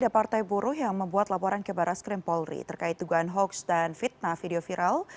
ada partai buruh yang membuat laporan ke baras krim polri terkait tugaan hoaks dan fitnah video viral